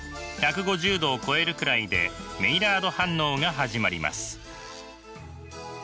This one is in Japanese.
１５０℃を超えるくらいでメイラード反応が始まります。